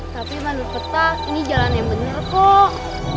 tapi manduk kerta ini jalan yang bener kok